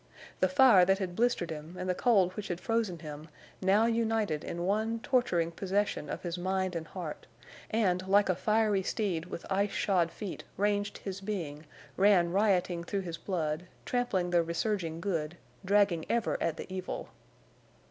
The fire that had blistered him and the cold which had frozen him now united in one torturing possession of his mind and heart, and like a fiery steed with ice shod feet, ranged his being, ran rioting through his blood, trampling the resurging good, dragging ever at the evil.